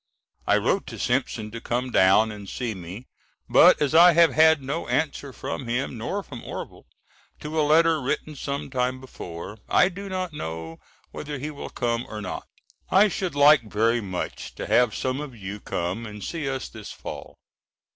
I wrote to Simpson to come down and see me but as I have had no answer from him nor from Orvil to a letter written some time before, I do not know whether he will come or not. I should like very much to have some of you come and see us this fall.